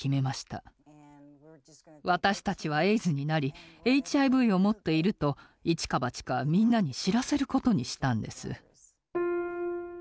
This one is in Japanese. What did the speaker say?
私たちはエイズになりＨＩＶを持っているといちかばちかみんなに知らせることにしたんです。